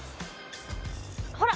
ほら！